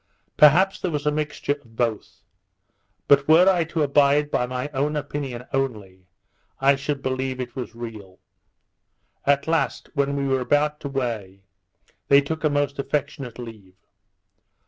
Perhaps there was a mixture of both; but were I to abide by my own opinion only, I should believe it was real. At last, when we were about to weigh, they took a most affectionate leave.